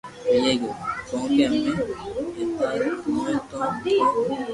ڪونڪھ امي ايتا گيوني تو ڪوئي ني